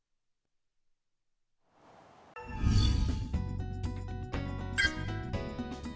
một mình không ngờ